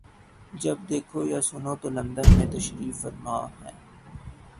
جب دیکھو یا سنو تو لندن میں تشریف فرما ہیں۔